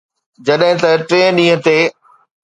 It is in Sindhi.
جڏهن ته ٽئين ڏينهن تي